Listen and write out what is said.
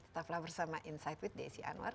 tetaplah bersama insight with desi anwar